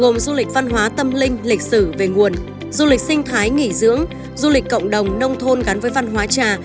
gồm du lịch văn hóa tâm linh lịch sử về nguồn du lịch sinh thái nghỉ dưỡng du lịch cộng đồng nông thôn gắn với văn hóa trà